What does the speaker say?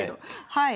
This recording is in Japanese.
はい。